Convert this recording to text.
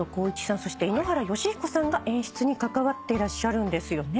そして井ノ原快彦さんが演出に関わっていらっしゃるんですよね。